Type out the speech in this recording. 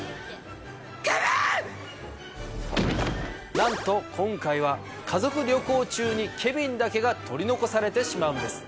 なんと今回は家族旅行中にケビンだけが取り残されてしまうんです。